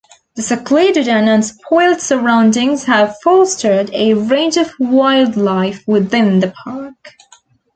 The secluded and unspoilt surroundings have fostered a range of wildlife within the park.